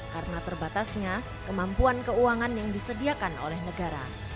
karena terbatasnya kemampuan keuangan yang disediakan oleh negara